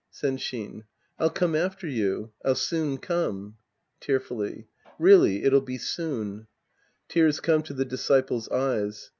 Senshin. I'll come after you. I'll soon come. {Tearfully^ Really it'll be soon. {Tears come to the disciples' eyes.